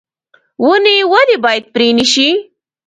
ونې ولې باید پرې نشي؟